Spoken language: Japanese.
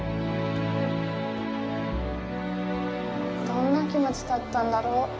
どんな気持ちだったんだろう。